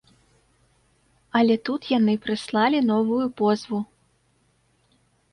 Але тут яны прыслалі новую позву.